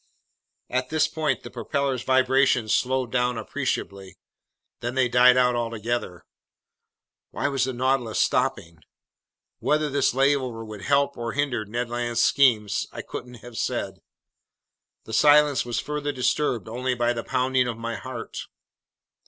At this point the propeller's vibrations slowed down appreciably, then they died out altogether. Why was the Nautilus stopping? Whether this layover would help or hinder Ned Land's schemes I couldn't have said. The silence was further disturbed only by the pounding of my heart.